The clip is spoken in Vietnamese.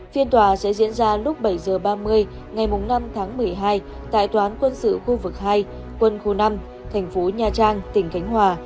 phiên tòa sẽ diễn ra lúc bảy h ba mươi ngày năm tháng một mươi hai tại toán quân sự khu vực hai quân khu năm thành phố nha trang tỉnh khánh hòa